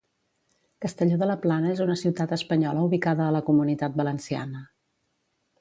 Castelló de la Plana és una ciutat espanyola ubicada a la Comunitat Valenciana.